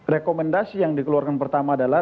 rekomendasi yang dikeluarkan pertama adalah